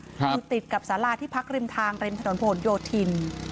ดูติดกับสาระที่พักฤรินทางริมถนนภทนโยทิน